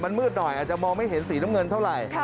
มันมืดหน่อยอาจจะมองไม่เห็นสีน้ำเงินเท่าไหร่